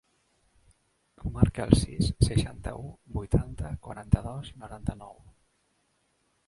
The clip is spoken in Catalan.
Marca el sis, seixanta-u, vuitanta, quaranta-dos, noranta-nou.